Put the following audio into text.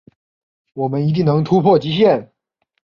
我们一定能突破极限